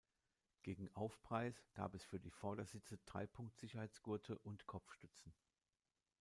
Gegen Aufpreis gab es für die Vordersitze Dreipunkt-Sicherheitsgurte und Kopfstützen.